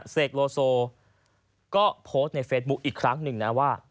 เสกโลโซก็โพสต์ในเฟซบุ๊คอีกครั้งหนึ่งนะว่า